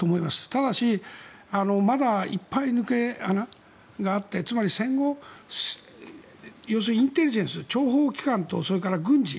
ただし、まだいっぱい抜け穴があってつまり戦後、要するにインテリジェンス諜報機関と軍事